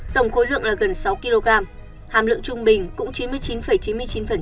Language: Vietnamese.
tổng khối lượng là gần sáu kg hàm lượng trung bình cũng chín mươi chín chín mươi chín